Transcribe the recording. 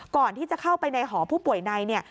ก่อนที่จะเข้าไปในหอผู้ป่วยในเนี่ย